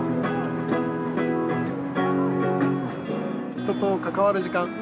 人と関わる時間。